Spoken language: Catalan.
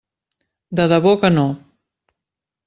De debò que no.